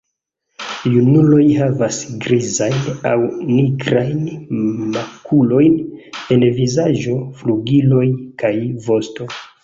Junuloj havas grizajn aŭ nigrajn makulojn en vizaĝo, flugiloj kaj vosto.